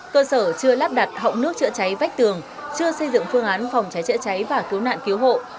cơ sở chưa lắp đặt hậu nước chữa cháy vách tường chưa xây dựng phương án phòng cháy chữa cháy và cứu nạn cứu hộ